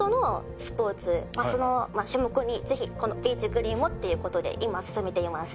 その種目にぜひこのビーチクリーンをという事で今進めています。